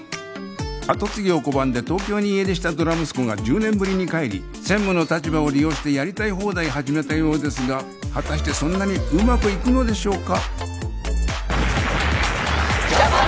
跡継ぎを拒んで東京に家出したドラ息子が１０年ぶりに帰り専務の立場を利用してやりたい放題始めたようですが果たしてそんなにうまくいくのでしょうか？